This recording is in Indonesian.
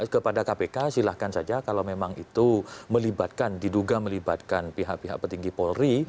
kepada kpk silahkan saja kalau memang itu melibatkan diduga melibatkan pihak pihak petinggi polri